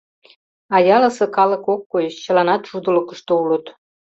А ялысе калык ок кой — чыланат шудылыкышто улыт.